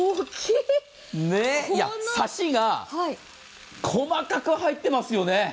サシが細かく入ってますよね。